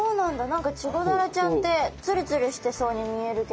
何かチゴダラちゃんってツルツルしてそうに見えるけど。